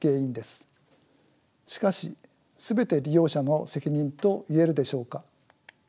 しかし全て利用者の責任と言えるでしょうか。